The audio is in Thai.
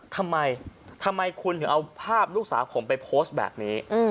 ทำไมทำไมคุณถึงเอาภาพลูกสาวผมไปโพสต์แบบนี้